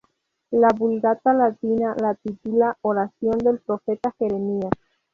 La Vulgata latina la titula "Oración del profeta Jeremías".